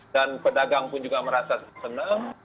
dan pedagang pun juga merasa senang